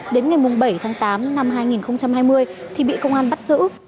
đến ngày bảy tháng tám năm hai nghìn hai mươi thì bị công an bắt giữ